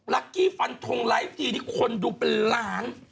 กี้ฟันทงไลฟ์ทีนี่คนดูเป็นล้าน